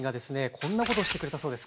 こんなことをしてくれたそうです。